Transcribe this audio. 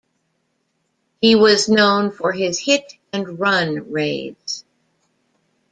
He was known for his "hit and run" raids.